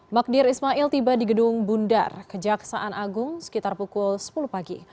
magdir ismail tiba di gedung bundar kejaksaan agung sekitar pukul sepuluh pagi